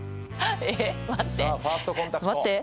えっ待って。